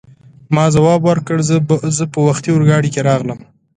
ما ځواب ورکړ: زه په وختي اورګاډي کې راغلم.